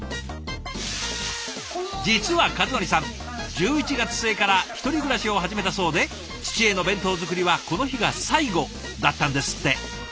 実は和範さん１１月末から一人暮らしを始めたそうで父への弁当作りはこの日が最後だったんですって。